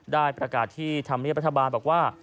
ได้ประกาศที่ธรรมเนียบรัฐบาลบอกว่า